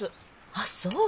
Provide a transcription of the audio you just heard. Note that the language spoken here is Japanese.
あっそう。